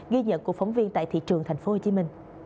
ghi nhận của phóng viên tại thị trường tp hcm